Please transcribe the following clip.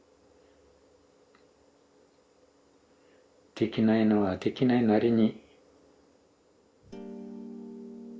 できないのはできないなりに。